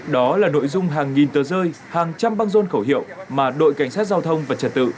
đó là nội dung hàng nghìn tờ rơi hàng trăm băng rôn khẩu hiệu mà đội cảnh sát giao thông và trật tự